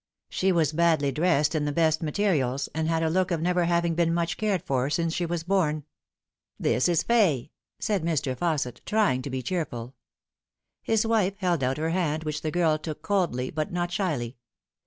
She was badly dressed in the best materials, and had a look of never having been much cared for since she was born. " This is Fay," said Mr. Fausset, trying to be cheerful. Hig wife held out her hand, which the girl took coldly, but not shyly.